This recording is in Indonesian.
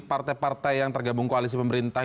partai partai yang tergabung koalisi pemerintah